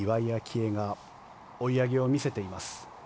愛が追い上げを見せています。